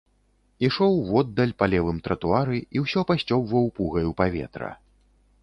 Ішоў воддаль, па левым тратуары і ўсё пасцёбваў пугаю паветра.